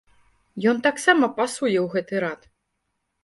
Ён таксама пасуе ў гэты рад.